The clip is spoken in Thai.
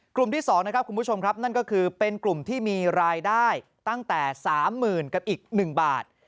ที่๒นะครับคุณผู้ชมครับนั่นก็คือเป็นกลุ่มที่มีรายได้ตั้งแต่๓๐๐๐กับอีก๑บาท